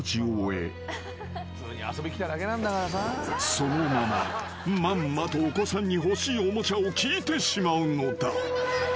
［そのまままんまとお子さんに欲しいおもちゃを聞いてしまうのだ］